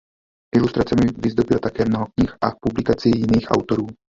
Ilustracemi vyzdobil také mnoho knih a publikací jiných autorů.